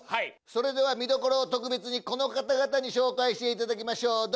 それでは見どころを特別にこの方々に紹介していただきましょう